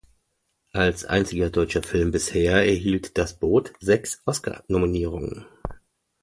Als einziger deutscher Film bisher erhielt "Das Boot" sechs Oscar-Nominierungen.